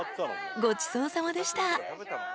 ［ごちそうさまでした］